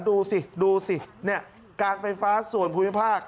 ดูสิดูสิเนี่ยการไฟฟ้าส่วนภูมิภาค